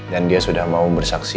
dan dia sudah mau bersaksi